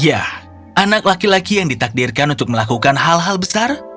ya anak laki laki yang ditakdirkan untuk melakukan hal hal besar